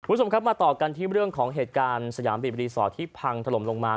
คุณผู้ชมครับมาต่อกันที่เรื่องของเหตุการณ์สยามบีบรีสอร์ทที่พังถล่มลงมา